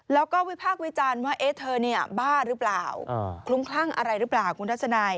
แล้วก็วิพากษ์วิจารณ์ว่าเธอเนี่ยบ้าหรือเปล่าคลุ้มคลั่งอะไรหรือเปล่าคุณทัศนัย